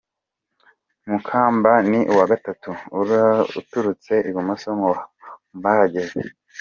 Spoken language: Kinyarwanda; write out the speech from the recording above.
Mukamba ni uwa gatatu uturutse ibumoso mu bahagaze.